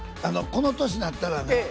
この年になったらね